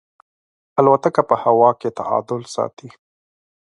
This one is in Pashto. الوتکه په هوا کې تعادل ساتي.